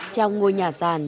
trong ngôi nhà sàn